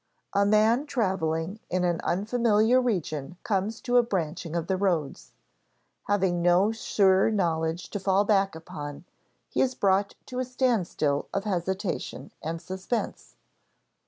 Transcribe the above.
A man traveling in an unfamiliar region comes to a branching of the roads. Having no sure knowledge to fall back upon, he is brought to a standstill of hesitation and suspense.